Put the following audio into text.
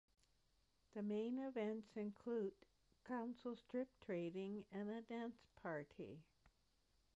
The main events include Council Strip trading and a dance party.